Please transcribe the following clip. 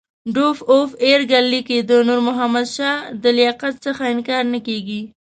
ډوک اف ارګایل لیکي د نور محمد شاه د لیاقت څخه انکار نه کېږي.